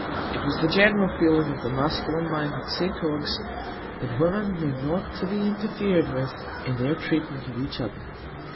It was the general feeling of the masculine mind at St Ogg's that women were not to be interfered with in their treatment of each other.